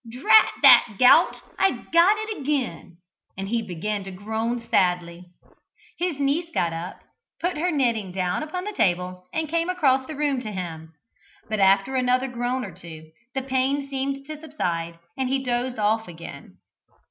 "Drat that gout, I've got it again!" and he began to groan sadly. His niece got up, put her knitting down upon the table and came across the room to him, but after another groan or two, the pain seemed to subside, and he dozed off again.